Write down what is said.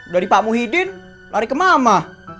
dari pak muhyiddin lari ke mama